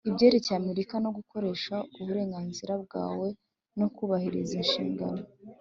ibyerekeye Amerika no gukoresha uberenganzira bwawe no kubahiriza inshingano